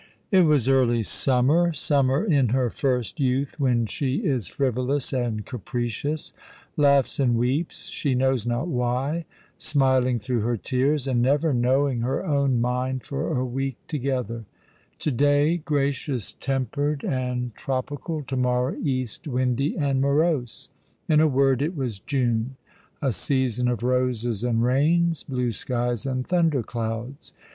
It was early summer, summer in her first youth, when sho is frivolous and capricious, laughs and weeps she knows not why; smiling through her tears, and never knowing her own mind for a week together; to day gracious tempered and tropical ; to morrow east windy and morose. In a word, it was June, a season of roses and rains, blue skies and thunder clouds.